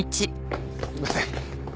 すみません。